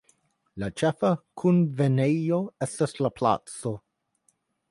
La ĉefa kunvenejo estas la Placo.